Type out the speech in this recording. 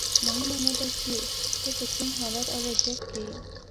مهمه نه ده چې ته په کوم حالت او وضعیت کې یې.